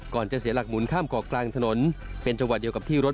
จะเสียหลักหมุนข้ามเกาะกลางถนนเป็นจังหวะเดียวกับที่รถ